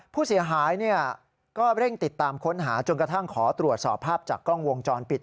ผู้เสียหายก็เร่งติดตามค้นหาจนกระทั่งขอตรวจสอบภาพจากกล้องวงจรปิด